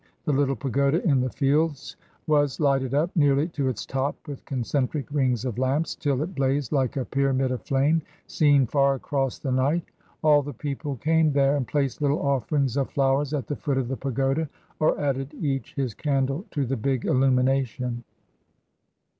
The little pagoda in the fields was lighted up nearly to its top with concentric rings of lamps till it blazed like a pyramid of flame, seen far across the night. All the people came there, and placed little offerings of flowers at the foot of the pagoda, or added each his candle to the big illumination.